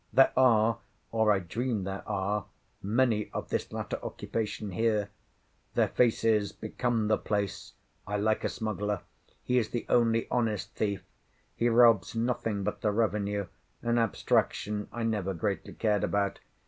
There are, or I dream there are, many of this latter occupation here. Their faces become the place. I like a smuggler. He is the only honest thief. He robs nothing but the revenue,—an abstraction I never greatly cared about.